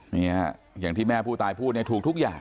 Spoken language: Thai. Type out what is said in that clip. อย่างที่แม่ผู้ตายพูดเนี่ยถูกทุกอย่าง